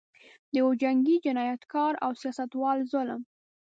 د یوه جنګي جنایتکار او سیاستوال ظلم.